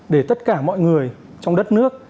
để tất cả mọi người trong đất nước